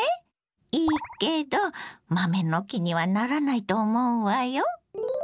いいけど豆の木にはならないと思うわよ。